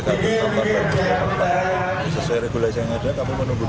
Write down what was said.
kenapa geli merupakan oraz orang lain yang mengundurkan mereka numbered